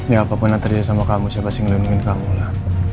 ya apapun yang terjadi sama kamu saya pasti ngelindungi kamu lah